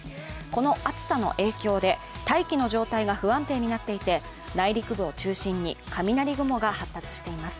この暑さの影響で、大気の状態が不安定になっていて内陸部を中心に雷雲が発達しています。